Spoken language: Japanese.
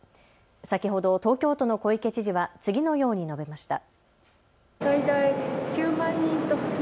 先ほど東京都の小池知事は次のように述べました。